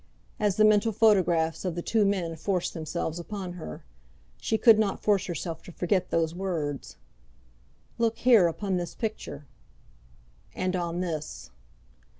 As the mental photographs of the two men forced themselves upon her, she could not force herself to forget those words "Look here, upon this picture and on this."